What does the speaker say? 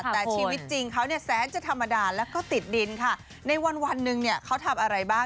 แต่ชีวิตจริงเขาเนี่ยแสนจะธรรมดาแล้วก็ติดดินค่ะในวันวันหนึ่งเนี่ยเขาทำอะไรบ้าง